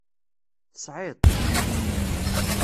Tesɛiḍ-t.